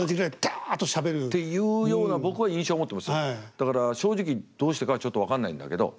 だから正直どうしてかはちょっと分かんないんだけど。